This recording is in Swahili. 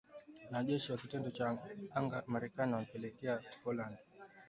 Wanajeshi wa kitengo cha anga Marekani wamepelekwa Poland.